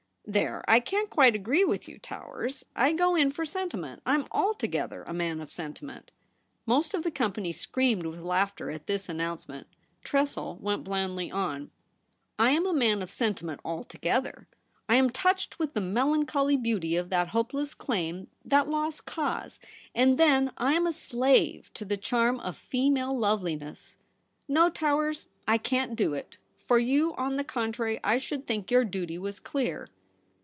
' There I can't quite agree with you. Towers. I go in for sentiment ; I am alto gether a man of sentiment.' Most of the company screamed with laughter at this announcement. Tressel went blandly on :' I am a man of sentiment altogether. I 142 THE REBEL ROSE. am touched with the melancholy beauty of that hopeless claim, that lost cause ; and then I am a slave to the charm of female loveli ness. No, Towers ; I can't do it : for you, on the contrary, I should think your duty was clear.'